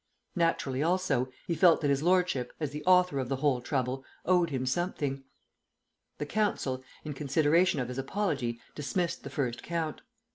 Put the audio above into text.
Naturally, also, he felt that his lordship, as the author of the whole trouble, owed him something. The Council, in consideration of his apology, dismissed the first count.